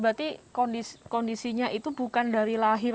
berarti kondisinya itu bukan dari lahir